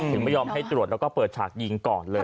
ไม่ยอมให้ตรวจแล้วก็เปิดฉากยิงก่อนเลย